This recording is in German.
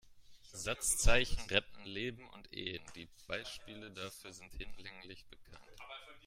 Satzzeichen retten Leben und Ehen, die Beispiele dafür sind hinlänglich bekannt.